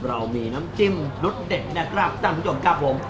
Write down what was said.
เรามีน้ำจิ้มรสเด็ดนะครับท่านผู้ชมครับผม